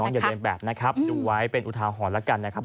น้องอย่าเรียนแบบนะครับดูไว้เป็นอุทาหรอกันนะครับ